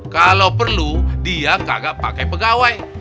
kalau perlu dia kagak pakai pegawai